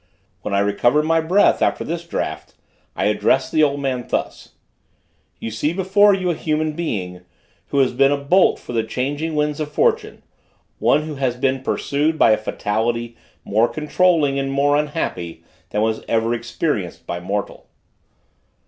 When I recovered my breath, after this draught, I addressed the old man thus: "You see before you a human being, who has been a bolt for the changing winds of fortune; one, who has been pursued by a fatality more controlling and more unhappy than was ever experienced by mortal."